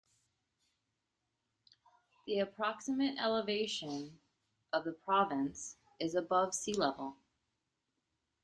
The approximate elevation of the province is above sea level.